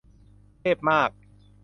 เทพมาก